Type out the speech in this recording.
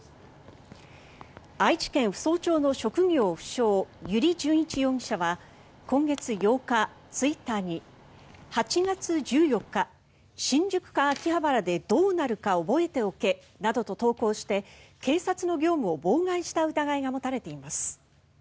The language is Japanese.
愛知県扶桑町の職業不詳油利潤一容疑者は今月８日、ツイッターに「８月１４日新宿か秋葉原でどーなるか覚えておけ」などと投稿して警察の業務を妨害した疑いが持たれています。